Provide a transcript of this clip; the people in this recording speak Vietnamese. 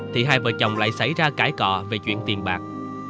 thì hai vợ chồng lại xảy ra cãi cọ về chuyện tiền bạc